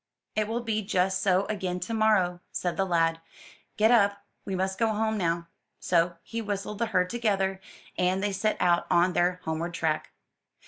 'It will be just so again to morrow,'' said the lad. ''Get up, we must go home now/' So, he whistled the herd together, and they set out on their homeward track.